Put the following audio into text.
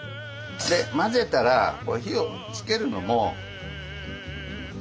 で混ぜたら火をつけるのも極弱火。